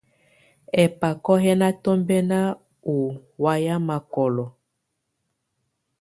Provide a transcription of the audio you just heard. Ɛ́bákɔ́ yɛ́ ná tɔmbɛ́na ú wayɛ̀á mɔkɔlɔ.